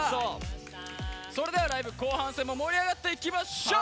それではライブ後半戦も盛り上がっていきましょう。